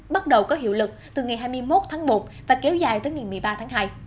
bắt đầu có hiệu lực từ ngày hai mươi một tháng một và kéo dài tới ngày một mươi ba tháng hai